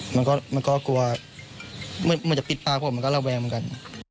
มันก็กลัวมันจะปิดตาผมมันก็ระแวงเหมือนกัน